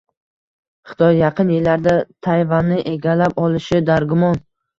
“Xitoy yaqin yillarda Tayvanni egallab olishi dargumon”ng